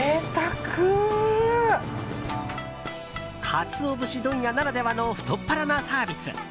カツオ節問屋ならではの太っ腹なサービス。